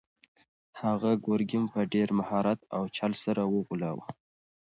هغه ګرګین په ډېر مهارت او چل سره وغولاوه.